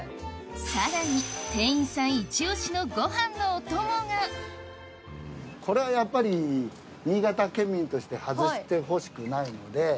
さらに店員さんイチ押しのご飯のお供がこれはやっぱり新潟県民として外してほしくないので。